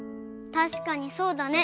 たしかにそうだね。